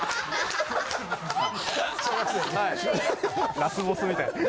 ・ラスボスみたいですね・